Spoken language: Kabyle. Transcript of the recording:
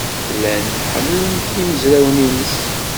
Llan ḥemmlen-t yimezrawen-nnes.